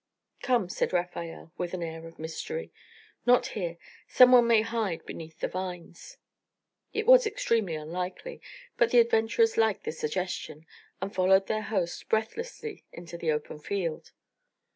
"Come," said Rafael, with an air of mystery. "Not here. Some one may hide beneath the vines." It was extremely unlikely, but the adventurers liked the suggestion and followed their host breathlessly into the open field.